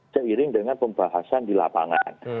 seiring dengan pembahasan di lapangan